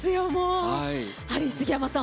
ハリー杉山さん